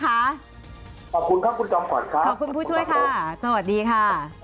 ขอบคุณค่ะคุณคำขอบคุณผู้ช่วยค่ะสวัสดีค่ะ